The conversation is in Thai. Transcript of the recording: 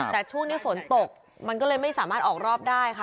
แต่ช่วงนี้ฝนตกมันก็เลยไม่สามารถออกรอบได้ค่ะ